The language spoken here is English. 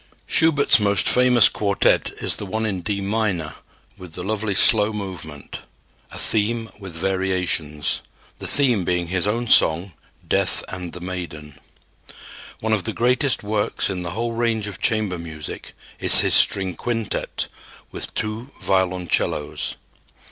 Schubert's most famous quartet is the one in D minor with the lovely slow movement, a theme with variations, the theme being his own song, "Death and the Maiden." One of the greatest works in the whole range of chamber music is his string quintet with two violoncellos.